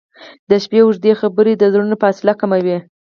• د شپې اوږدې خبرې د زړونو فاصله کموي.